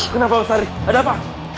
kenapa mbak sari ada apa